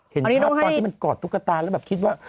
เห็นภาพตอนที่มันกอดตุ๊กตาแล้วแบบคิดว่า